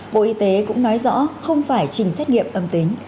bộ y tế cũng nói rõ không phải trình xét nghiệm âm tính